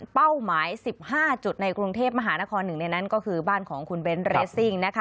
เป้าหมาย๑๕จุดในกรุงเทพมหานครหนึ่งในนั้นก็คือบ้านของคุณเบนทเรสซิ่งนะคะ